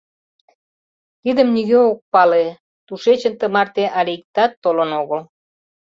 — Тидым нигӧ ок пале: тушечын тымарте але иктат толын огыл.